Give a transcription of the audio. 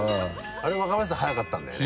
あれも若林さん速かったんだよね